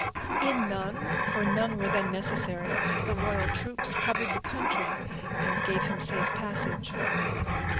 "In none, for none were then necessary; the royal troops covered the country, and gave him safe passage."